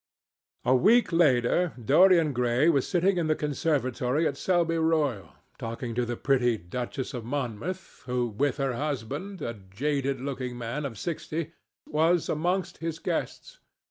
A week later Dorian Gray was sitting in the conservatory at Selby Royal, talking to the pretty Duchess of Monmouth, who with her husband, a jaded looking man of sixty, was amongst his guests.